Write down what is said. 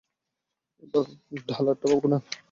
এবার, ডালাটা ঘোরান!